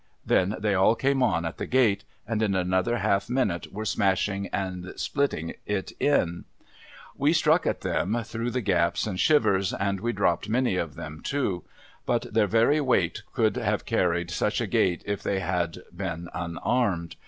Then, they all came on at the gate, and, in another half minute were smashing and si)litting it in. We struck at them through the gaps and shivers, and we dropped many of them, too ; but, their very weight would have carried such a gate, if they had been unarmed.